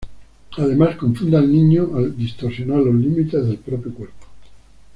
Además confunde al niño al distorsionar los límites del propio cuerpo.